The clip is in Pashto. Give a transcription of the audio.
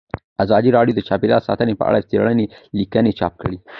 ازادي راډیو د چاپیریال ساتنه په اړه څېړنیزې لیکنې چاپ کړي.